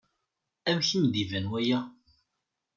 Amek i m-d-iban waya?